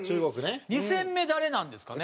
２戦目誰なんですかね？